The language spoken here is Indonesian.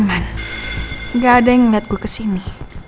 aman gak ada yang liat gue kesini